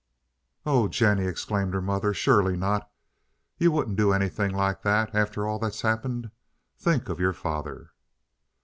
"Oh, Jennie!" exclaimed her mother. "Surely not! You wouldn't do anything like that after all that's happened. Think of your father."